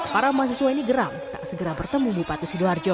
para mahasiswa ini geram tak segera bertemu bupati sidoarjo